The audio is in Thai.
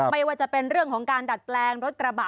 ไม่ว่าจะเป็นเรื่องของการดัดแปลงรถกระบะ